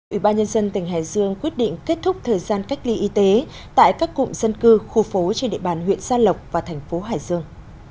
ủy ban nhân dân tỉnh hải dương quyết định kết thúc thời gian cách ly y tế tại các cụm dân cư khu phố trên địa bàn huyện gia lộc và thành phố hải dương